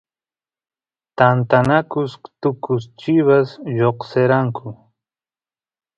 tantanakus tukus chivas lloqseranku